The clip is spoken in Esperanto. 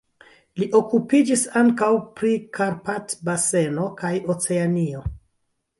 Li okupiĝis ankaŭ pri Karpat-baseno kaj Oceanio.